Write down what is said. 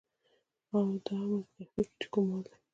او د امن په کښتئ کې چې کوم مال دی